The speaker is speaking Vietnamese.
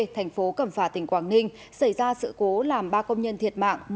thành phố cẩm phả tỉnh quảng ninh xảy ra sự cố làm ba công nhân thiệt mạng